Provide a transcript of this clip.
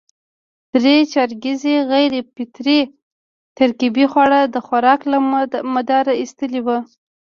درې چارکیز غیر فطري ترکیب خواړه د خوراک له مداره اېستلي وو.